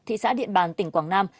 thị xã điện bàn tỉnh quảng nam